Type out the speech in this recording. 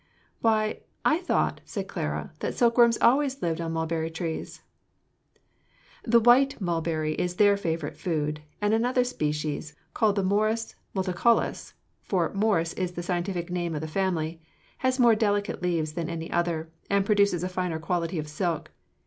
"Why, I thought," said Clara, "that silkworms always lived on mulberry leaves?" "The white mulberry is their favorite food; and another species, called the Morus multicaulis for Morus is the scientific name of the family has more delicate leaves than any other, and produces a finer quality of silk.